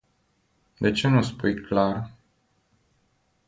De ce nu o spui clar?